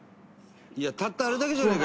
たったあれだけじゃねえか！